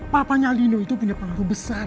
papanya lino itu punya pengaruh besar